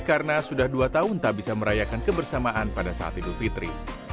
karena sudah dua tahun tak bisa merayakan kebersamaan pada saat idul fitri